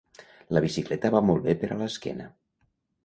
La bicicleta va molt bé per a l'esquena.